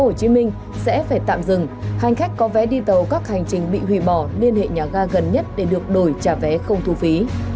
tp hcm sẽ phải tạm dừng hành khách có vé đi tàu các hành trình bị hủy bỏ liên hệ nhà ga gần nhất để được đổi trả vé không thu phí